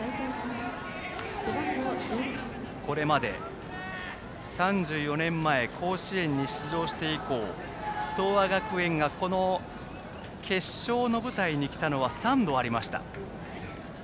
これまで３４年前甲子園に出場して以降東亜学園がこの決勝の舞台に来たのは３度ありました。